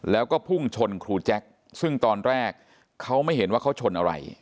แล้วก็พุ่งชนครูแจ็คซึ่งตอนแรกเขาไม่เห็นว่าเขาชนอะไร